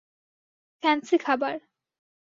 Fancy খাবার।